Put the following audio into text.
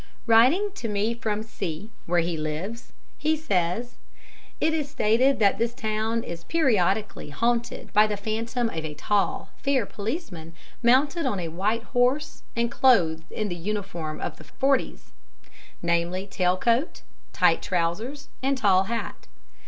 Writing to me from C , where he lives, he says: "It is stated that this town is periodically haunted by the phantom of a tall, fair policeman mounted on a white horse and clothed in the uniform of the 'forties namely, tail coat, tight trousers, and tall hat.